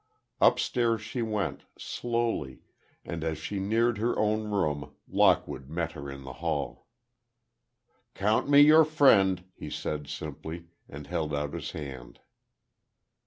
Upstairs she went, slowly, and as she neared her own room Lockwood met her in the hall. "Count me your friend," he said, simply, and held out his hand.